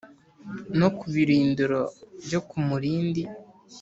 no ku birindiro byo ku murindi